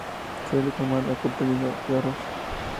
Se suele tomar acompañado de arroz.